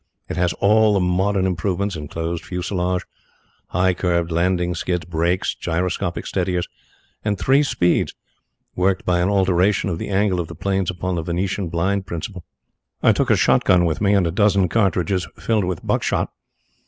It has all the modern improvements enclosed fuselage, high curved landing skids, brakes, gyroscopic steadiers, and three speeds, worked by an alteration of the angle of the planes upon the Venetian blind principle. I took a shot gun with me and a dozen cartridges filled with buck shot.